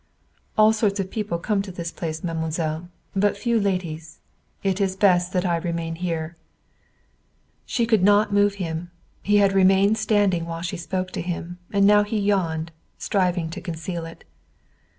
"All sorts of people come to this place, mademoiselle. But few ladies. It is best that I remain here." She could not move him. He had remained standing while she spoke to him, and now he yawned, striving to conceal it.